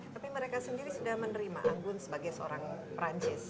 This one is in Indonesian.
tapi mereka sendiri sudah menerima anggun sebagai seorang perancis